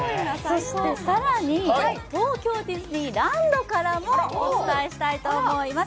そして更に東京ディズニーランドからもお伝えしたいと思います。